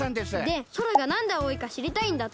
で空がなんで青いかしりたいんだって。